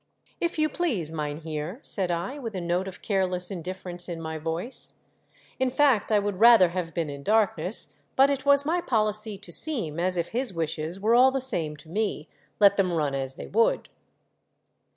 "If you please, mynheer," said I, with a note of careless indifference in my voice. In fact I would rather have been in darkness, but it was my policy to seem as if his wishes were all the same to me, let them run as they would.